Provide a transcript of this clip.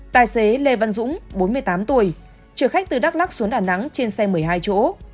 tài xế lê văn dũng bốn mươi tám tuổi trở khách từ đắk lắc xuống đà nẵng trên xe một mươi hai chỗ